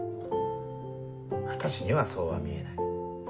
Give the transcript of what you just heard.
私にはそうは見えない。